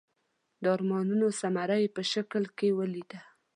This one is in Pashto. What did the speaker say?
د ارمانونو ثمره یې په شکل کې ولیده.